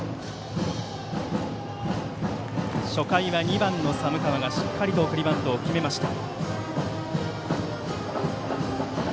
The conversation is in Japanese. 初回は２番の寒川がしっかり送りバントを決めました。